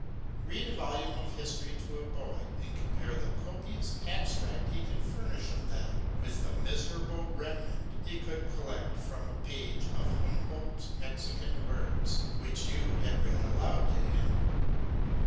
Read a vol ume of history to a boy, and compare the copious abstract he can furnish of that with the miserable remnant he could collect from a page of Humboldt's Mexican words 372 LEVANA. which you had read aloud to him.